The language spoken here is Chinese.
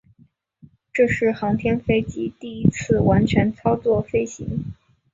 这是航天飞机第一次完全操作飞行。